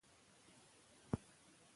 مهاجرتونه د کورنیو د بېلتون لامل شوي دي.